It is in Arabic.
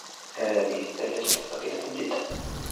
هذه الثلاجة ثقيلة جدا